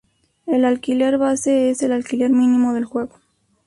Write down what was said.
El alquiler base es el alquiler mínimo del juego.